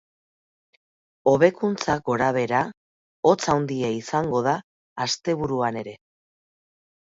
Hobekuntza gorabehera, hotz handia izango da asteburuan ere.